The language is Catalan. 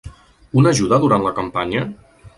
Una ajuda durant la campanya?